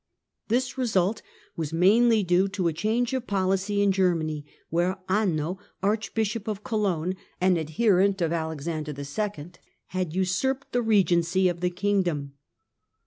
This result was mainly due to a change of policy in Germany, where Anno, Archbisho}) of Cologne, an adherent of Alexander II., had usurped the regency of the kingdom.